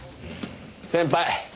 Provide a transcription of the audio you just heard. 先輩。